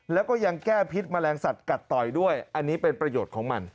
แล้วก็ยังแก้พิษแมลงสัตวกัดต่อยด้วยอันนี้เป็นประโยชน์ของมัน